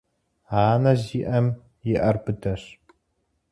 Анэ зиIэм и Iэр быдэщ.